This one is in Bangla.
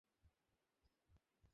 আমাকে ভুলে গেছিস।